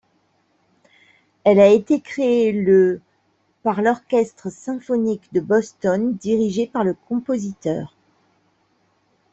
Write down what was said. Elle a été créée le par l'Orchestre symphonique de Boston dirigé par le compositeur.